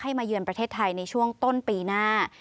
มาเยือนประเทศไทยในช่วงต้นปีหน้า